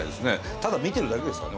ただ見てるだけですからね